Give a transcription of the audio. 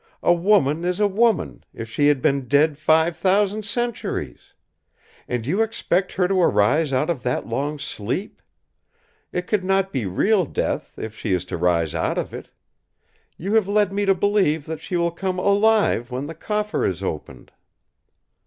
A woman is a woman, if she had been dead five thousand centuries! And you expect her to arise out of that long sleep! It could not be real death, if she is to rise out of it! You have led me to believe that she will come alive when the Coffer is opened!"